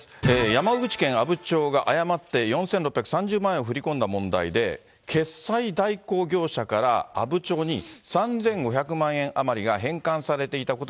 山口県阿武町が誤って４６３０万円を振り込んだ問題で、決済代行業者から、阿武町に３５００万円余りが返還されていたこ